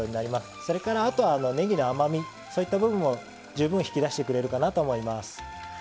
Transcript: それからあとはねぎの甘みそういった部分を十分引き出してくれるかなと思います。